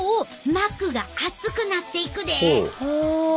膜が厚くなっていくで。